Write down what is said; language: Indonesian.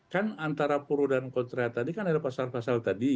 kan antara pro dan kontra tadi kan ada pasal pasal tadi